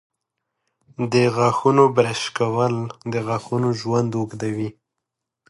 د غاښونو برش کول د غاښونو ژوند اوږدوي.